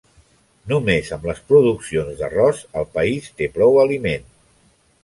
Només amb les produccions d'arròs el país té prou aliment.